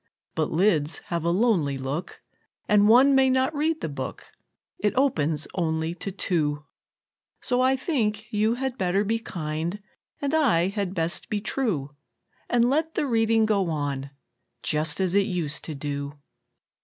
But lids have a lonely look, And one may not read the book It opens only to two; So I think you had better be kind, And I had best be true, And let the reading go on, Just as it used to do.